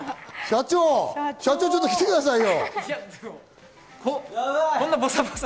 社長、ちょっと来てくださいよ。